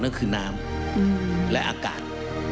นั่นคือน้ำและอากาศ